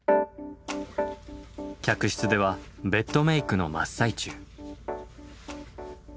客室ではベッドメークの真っ最中。